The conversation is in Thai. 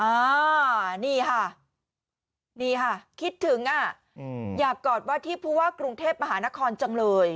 อ่านี่ค่ะนี่ค่ะคิดถึงอ่ะอยากกอดว่าที่ผู้ว่ากรุงเทพมหานครจังเลย